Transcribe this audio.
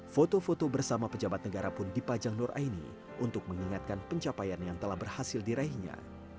foto foto bersama pejabat negara pun dipajang nur aini untuk mengingatkan pencapaian yang telah berhasil diraihnya